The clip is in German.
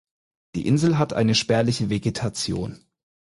Die Insel hat eine spärliche Vegetation.